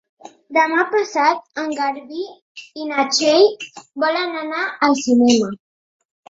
Demà passat en Garbí i na Txell volen anar al cinema.